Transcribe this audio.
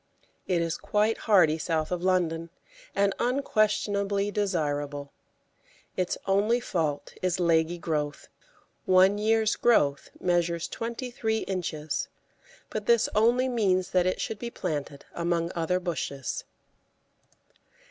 It is quite hardy south of London, and unquestionably desirable. Its only fault is leggy growth; one year's growth measures twenty three inches, but this only means that it should be planted among other bushes.